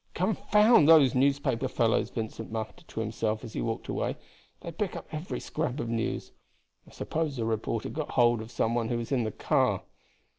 "Confound those newspaper fellows!" Vincent muttered to himself as he walked away. "They pick up every scrap of news. I suppose a reporter got hold of some one who was in the car."